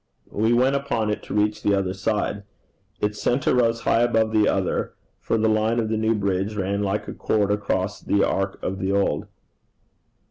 We went upon it to reach the other side. Its centre rose high above the other, for the line of the new bridge ran like a chord across the arc of the old.